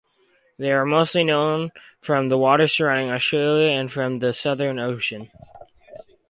They are mostly known from the waters surrounding Australia and from the Southern Ocean.